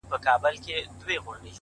تالنده برېښنا يې خــوښـــــه ســوېده،